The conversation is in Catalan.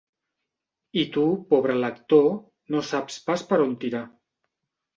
I tu, pobre lector, no saps pas per on tirar.